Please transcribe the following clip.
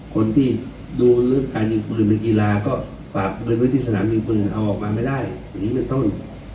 คนที่ดูเรื่องการยิ่งปืนในกีฬาก็ฝากเรื่องวิธีสนามยิ่งปืนเอาออกมาไม่ได้อันนี้เป็นต้น